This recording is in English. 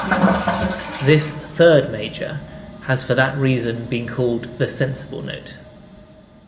This third major has for that reason been called the sensible note.